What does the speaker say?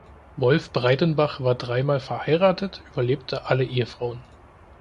Wolf Breidenbach war drei Mal verheiratet, überlebte alle Ehefrauen.